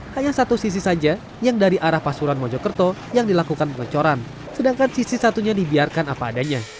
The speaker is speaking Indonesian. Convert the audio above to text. hanya satu sisi saja yang dari arah pasuruan mojokerto yang dilakukan pengecoran sedangkan sisi satunya dibiarkan apa adanya